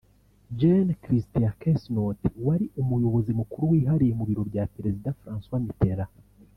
Gen Christian Quesnot wari Umuyobozi Mukuru wihariye mu Biro bya Perezida Francois Mitterrand